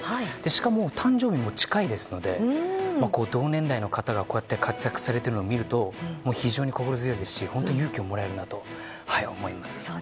しかも誕生日も近いですので同年代の方がこうやって活躍されているのを見ると非常に心強いですし本当に勇気をもらえるなと思います。